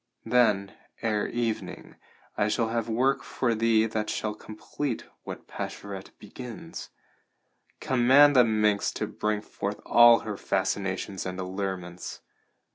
Then, ere evening, I shall have work for thee that shall complete what Pascherette begins. Command the minx to bring forth all her fascinations and allurements.